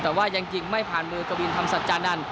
แต่ว่ายังยิงไม่ผ่านมือกวินธรรมสัจจานันท